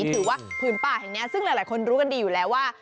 ถือว่าผืนป่าแห่งนี้ซึ่งหลายคนรู้กันดีอยู่แล้วว่า